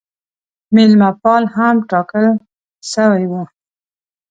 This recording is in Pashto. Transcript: مېلمه پال هم ټاکل سوی وو.